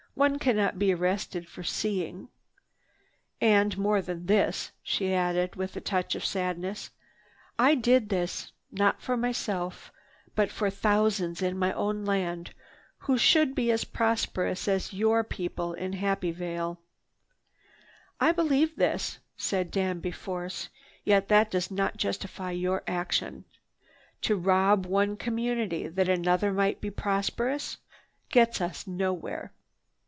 One cannot be arrested for seeing. And more than this," she added with a touch of sadness, "I did all this, not for myself, but for thousands in my own land who should be as prosperous as your people in Happy Vale." "I believe this," said Danby Force, "yet that does not justify your action. To rob one community that another may be prosperous gets us nowhere.